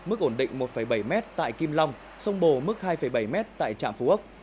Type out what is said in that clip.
mức ổn định một bảy m tại kim long sông bồ mức hai bảy m tại trạm phú ốc